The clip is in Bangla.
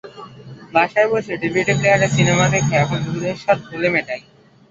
বাসায় বসে ডিভিডি প্লেয়ারে সিনেমা দেখে এখন দুধের স্বাদ ঘোলে মেটাই।